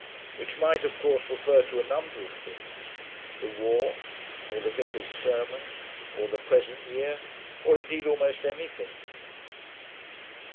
Which might, of course, refer to a number of things: the war, or the vicar's sermon, or the present year, or, indeed, almost anything.